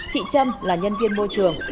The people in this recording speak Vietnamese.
chị trâm là nhân viên môi trường